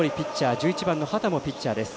１１番、畑もピッチャーです。